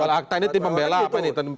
kalau akta ini tim pembela apa ini